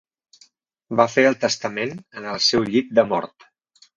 Va fer el testament en el seu llit de mort.